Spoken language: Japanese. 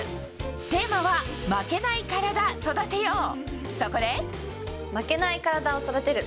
テーマは「負けないカラダ、育てよう」。